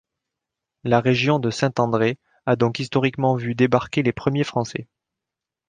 La région de Saint-André a donc historiquement vu débarquer les premiers Français.